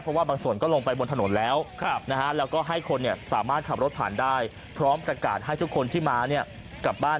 เพราะว่าบางส่วนก็ลงไปบนถนนแล้วแล้วก็ให้คนสามารถขับรถผ่านได้พร้อมประกาศให้ทุกคนที่มาเนี่ยกลับบ้าน